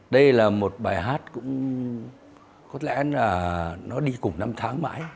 đây là một bài hát cũng có lẽ là nó đi cùng năm tháng mãi